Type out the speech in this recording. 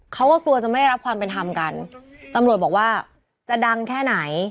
เขาก็กลัวจะไม่ได้รับความเป็นธรรมกันตำรวจบอกว่าจะดังแค่ไหน